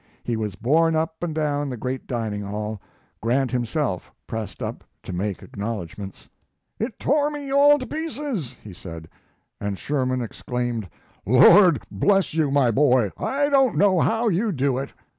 He was borne up and down the great dining hall. Grant himself pressed up to make acknowledgments. "It tore me all to pieces," he said; and Sherman exclaimed, "Lord bless you, my boy! I don't know how you do it!"